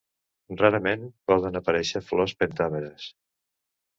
Rarament poden aparèixer flors pentàmeres.